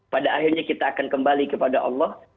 pada akhirnya kita akan kembali kepada allah